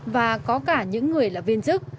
và có cả những người là viên chức